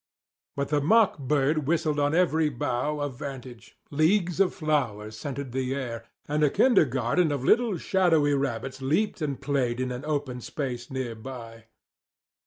But the mock bird whistled on every bough of vantage; leagues of flowers scented the air; and a kindergarten of little shadowy rabbits leaped and played in an open space near by.